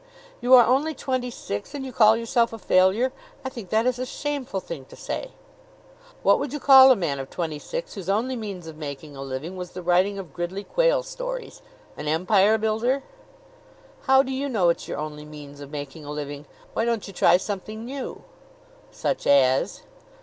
"You are only twenty six and you call yourself a failure? I think that is a shameful thing to say." "What would you call a man of twenty six whose only means of making a living was the writing of Gridley Quayle stories an empire builder?" "How do you know it's your only means of making a living? Why don't you try something new?" "Such as?"